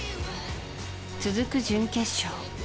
続く準決勝。